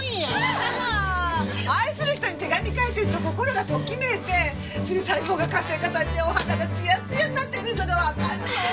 あら愛する人に手紙書いてると心がときめいてそれで細胞が活性化されてお肌がツヤツヤになってくるのがわかるの。